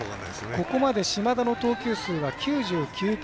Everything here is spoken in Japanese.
ここまで島田の投球数は９９球。